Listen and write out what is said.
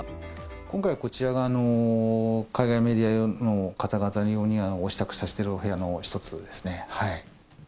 今回、こちらが海外メディア用の方々に支度しているお部屋の一つですね。